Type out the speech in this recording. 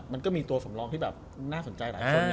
มันก็มีตัวสำรองที่แบบน่าสนใจหลายคน